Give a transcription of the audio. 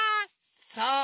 そう！